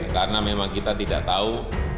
karena memang kita tidak tahu